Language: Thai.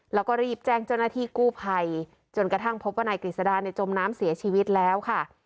แล้วก็รีบแจ้งเจ้าหน้าที่กู้ภัยจนกระทั่งพบว่านายกฤษดาในจมน้ำเสียชีวิตแล้วค่ะ